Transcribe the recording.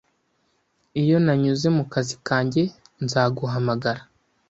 Iyo nanyuze mu kazi kanjye, nzaguhamagara.